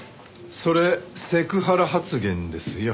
それセクハラ発言ですよ。